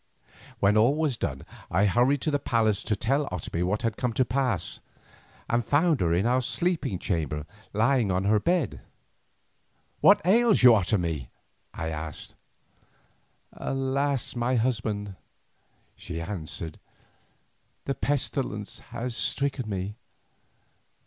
When all was done I hurried to the palace to tell Otomie what had come to pass, and found her in our sleeping chamber lying on her bed. "What ails you, Otomie?" I asked. "Alas! my husband," she answered, "the pestilence has stricken me.